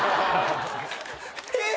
えっ！？